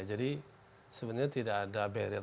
jadi sebenarnya tidak ada barrier